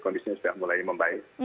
kondisinya sudah mulai membaik